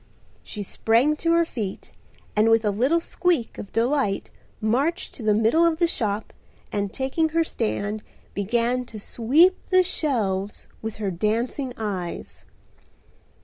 She sprang to her feet and with a little squeak of delight marched to the middle of the shop and taking her stand began to sweep the shelves with her dancing eyes.